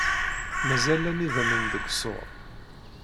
Mazal llan idammen deg ṣṣuṛ.